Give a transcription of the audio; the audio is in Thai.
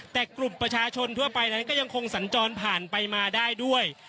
แต่กลุ่มประชาชนทั่วไปนั้นก็ยังคงสัญจรผ่านไปมาได้ด้วย